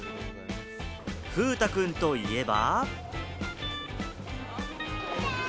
風太くんといえば。